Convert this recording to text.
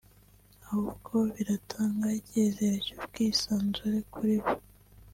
ahubwo biratanga icyizere cy’ubwisanzure kuri bo